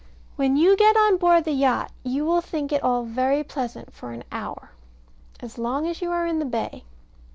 When you get on board the yacht, you will think it all very pleasant for an hour, as long as you are in the bay.